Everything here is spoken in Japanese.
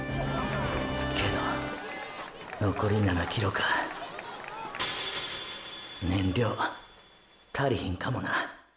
けどのこり７ｋｍか燃料足りひんかもな。